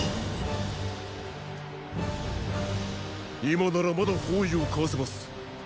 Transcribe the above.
今ならまだ包囲をかわせます。